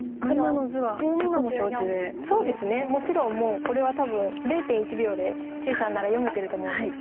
もちろんもうこれは多分０．１秒で謝さんなら読めてると思うんですけれども。